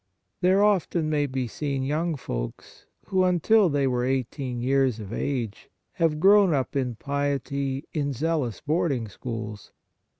There often may be seen young folks, who, until they were eighteen years of age, have grown up in piety in zealous boarding schools.